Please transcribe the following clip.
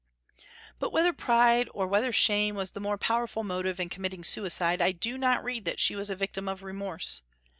But whether pride or whether shame was the more powerful motive in committing suicide, I do not read that she was a victim of remorse.